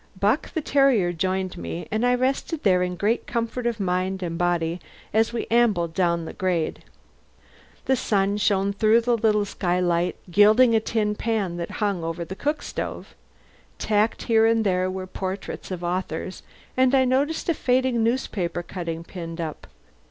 Bock the terrier joined me, and I rested there in great comfort of mind and body as we ambled down the grade. The sun shone through the little skylight gilding a tin pan that hung over the cook stove. Tacked here and there were portraits of authors, and I noticed a faded newspaper cutting pinned up.